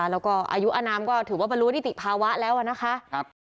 แล้วก็อายุอนามก็ถือว่าบรรลุนิติภาวะแล้วนะคะ